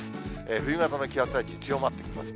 冬型の気圧配置、強まってきますね。